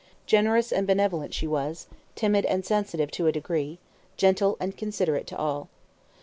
Generous and benevolent she was, timid and sensitive to a degree, gentle, and considerate to all.